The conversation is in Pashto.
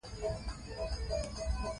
ماشومان د لوبو له لارې د ټولنې قواعد زده کوي.